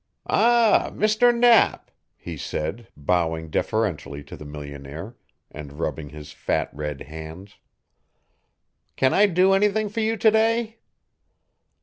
"Ah, Mr. Knapp," he said, bowing deferentially to the millionaire, and rubbing his fat red hands. "Can I do anything for you to day?"